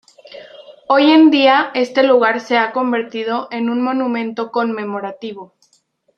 Hoy en día este lugar se ha convertido en un monumento conmemorativo.